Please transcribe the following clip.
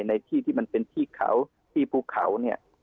ในที่ที่มันเป็นที่เขาที่ภูเขาเนี่ย